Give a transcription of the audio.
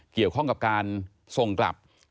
เกี่ยวข้องกับการส่งกลับ